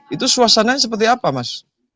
itu suasananya seperti apa mas